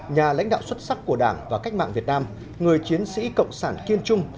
nhà lãnh đạo xuất sắc của đảng và cách mạng việt nam người chiến sĩ cộng sản kiên trung